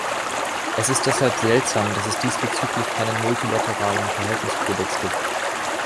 Es ist deshalb seltsam, dass es diesbezüglich keinen multilateralen Verhaltenskodex gibt.